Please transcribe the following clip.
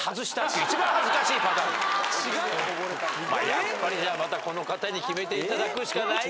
やっぱりまたこの方に決めていただくしかないか。